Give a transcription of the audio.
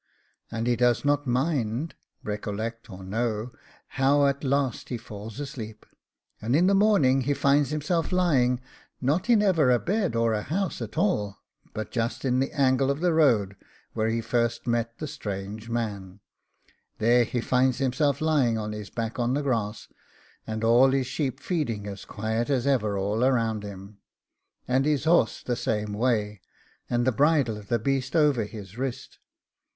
And he does not MIND (RECOLLECT or KNOW) how at last he falls asleep; and in the morning he finds himself lying, not in ever a bed or a house at all, but just in the angle of the road where first he met the strange man: there he finds himself lying on his back on the grass, and all his sheep feeding as quiet as ever all round about him, and his horse the same way, and the bridle of the beast over his wrist.